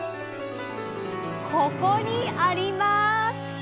ここにあります。